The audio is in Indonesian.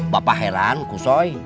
bapak heran kusoy